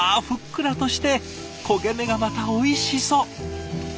ふっくらとして焦げ目がまたおいしそう。